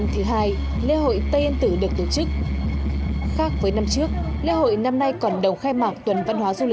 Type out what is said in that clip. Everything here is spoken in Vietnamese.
thì nói thật là những buổi đầu không ngủ nổi